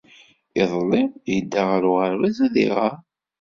Iḍelli, yedda ɣer uɣerbaz ad iɣer.